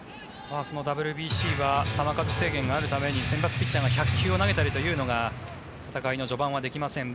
ＷＢＣは球数制限があるために先発ピッチャーが１００球を投げたりというのが戦いの序盤はできません。